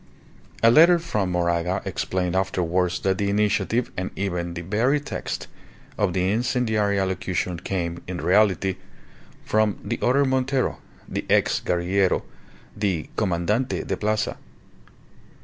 A letter from Moraga explained afterwards that the initiative, and even the very text, of the incendiary allocution came, in reality, from the other Montero, the ex guerillero, the Commandante de Plaza.